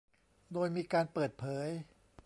โดยมีการเปิดเผย